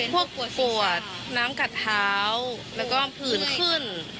ปวดปวดน้ำกัดเท้าแล้วก็ผื่นขึ้น